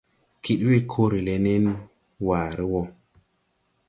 Kid we koore le ne waare wo.